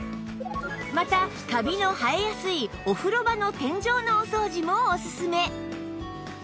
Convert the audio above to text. またカビの生えやすいお風呂場の天井のお掃除もおすすめ